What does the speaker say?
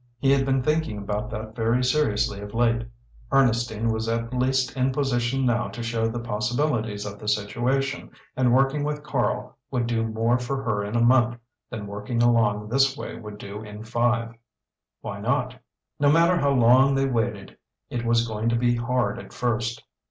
He had been thinking about that very seriously of late. Ernestine was at least in position now to show the possibilities of the situation, and working with Karl would do more for her in a month than working along this way would do in five. Why not? No matter how long they waited it was going to be hard at first.